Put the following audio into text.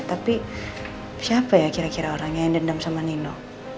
tapi siapa ya kira kira orangnya yang dendam sama nino